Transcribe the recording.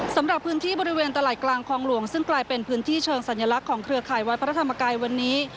สำหรับพื้นที่บริเวณตลาดกลางคลองหลวงซึ่งกลายเป็นพื้นที่เชิงสัญลักษณ์ของเครือข่ายวัดพระธรรมกายวันนี้